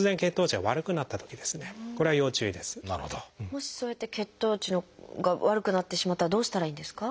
もしそうやって血糖値が悪くなってしまったらどうしたらいいんですか？